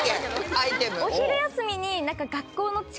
アイテム。